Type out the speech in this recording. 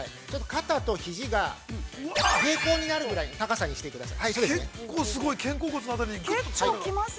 肩と肘が平行になる高さにしてください。